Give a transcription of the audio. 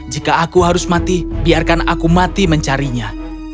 jika aku harus mati biarkan aku mati mencarinya